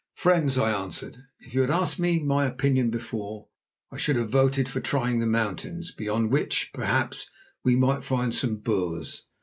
"Friends," I answered, "if you had asked me my opinion before, I should have voted for trying the mountains, beyond which, perhaps, we might find some Boers.